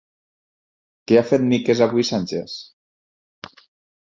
Què ha fet miques avui Sánchez?